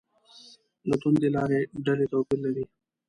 له توندلارې ډلې توپیر لري.